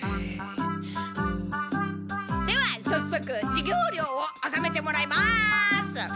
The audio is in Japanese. ではさっそく授業料をおさめてもらいます！